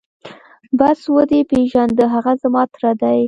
بس ودې پېژاند هغه زما تره دى.